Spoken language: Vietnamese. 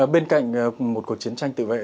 bên cạnh một cuộc chiến tranh tự vệ